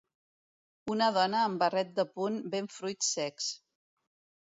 Una dona amb barret de punt ven fruits secs.